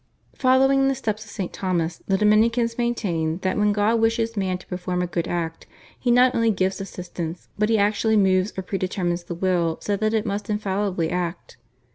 Following in the footsteps of St. Thomas, the Dominicans maintained that when God wishes man to perform a good act He not only gives assistance, but He actually moves or predetermines the will so that it must infallibly act.